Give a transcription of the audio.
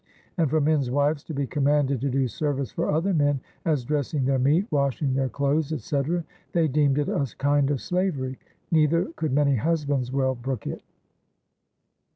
And for mens wives to be commanded to doe servise for other men, as dresing their meate, washing their cloaths, etc., they deemd it a kind of slaverie, neither could many husbands well brooke it.